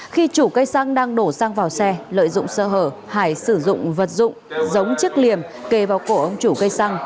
khi chủ cây xăng đang đổ xăng vào xe lợi dụng sơ hở hải sử dụng vật dụng giống chiếc liềm kề vào cổ ông chủ cây xăng